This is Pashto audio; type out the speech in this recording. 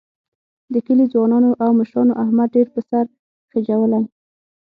د کلي ځوانانو او مشرانو احمد ډېر په سر خېجولی